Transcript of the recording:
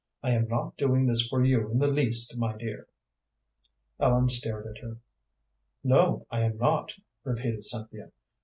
I am not doing this for you in the least, my dear." Ellen stared at her. "No, I am not," repeated Cynthia.